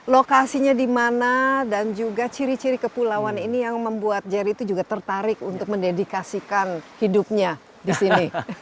lokasinya di mana dan juga ciri ciri kepulauan ini yang membuat jerry itu juga tertarik untuk mendedikasikan hidupnya di sini